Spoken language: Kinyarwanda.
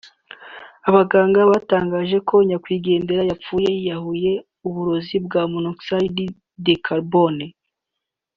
abaganga batangaje ko nyakwigendera yapfuye yiyahuje uburozi bwa monoxide de carbone